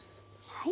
はい。